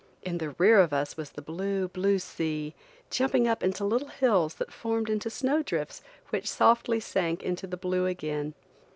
In the rear of us was the blue, blue sea, jumping up into little hills that formed into snow drifts which softly sank into the blue again.